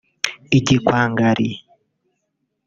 igikwangari